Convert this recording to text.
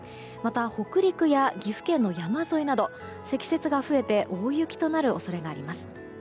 また、北陸や岐阜県の山沿いなど積雪が増えて大雪となる恐れがあります。